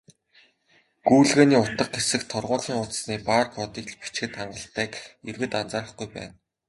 "Гүйлгээний утга" хэсэгт торгуулийн хуудасны бар кодыг л бичихэд хангалттайг иргэд анзаарахгүй байна.